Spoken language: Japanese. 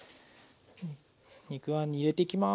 肉あんに入れていきます。